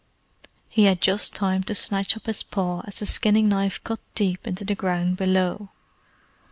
He had just time to snatch up his paw as the skinning knife cut deep into the ground below.